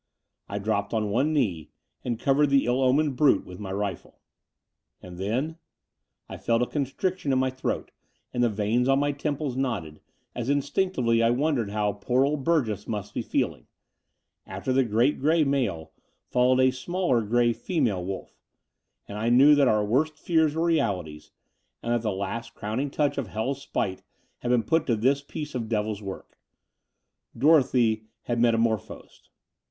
I dropped on one knee and covered the ill omened brute with my rifle. And then ... I felt a constriction in my throat, and the veins on my temples knotted, as instinctively I wondered how poor old Burgess must be feeling ... after the great grey male followed a smaller grey female wolf: and I knew that our worst* fears were realities, and that the last crowning touch of hell's spite had been put to this piece of devil's work. Dorothy had metamorphosed.